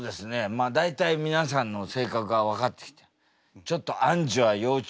まあ大体皆さんの性格が分かってきてちょっとあんじゅは要注意。